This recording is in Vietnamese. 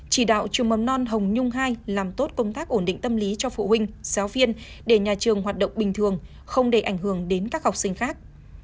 chỉ đạo trường mầm non hồng nhung hai làm tốt công tác ổn định tâm lý cho phụ huynh giáo viên để nhà trường hoạt động bình thường không để ảnh hưởng đến các học sinh khác